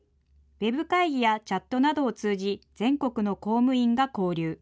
ウェブ会議やチャットなどを通じ、全国の公務員が交流。